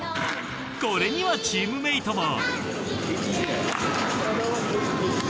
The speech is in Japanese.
これにはチームメートも。